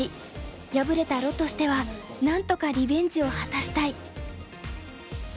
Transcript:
敗れた盧としてはなんとかリベンジを果たしたい。